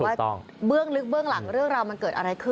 ว่าเบื้องลึกเบื้องหลังเรื่องราวมันเกิดอะไรขึ้น